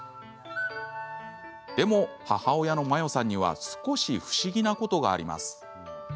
でも、母親の万葉さんには少し不思議なことがあります。